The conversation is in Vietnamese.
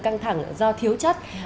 căng thẳng do thiếu chất